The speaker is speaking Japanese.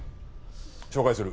紹介する。